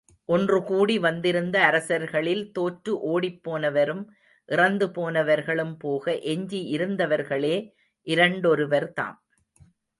ஒன்றுகூடி வந்திருந்த அரசர்களில் தோற்று ஒடிப் போனவரும் இறந்து போனவர்களும் போக எஞ்சியிருந்தவர்களே இரண்டொருவர்தாம்.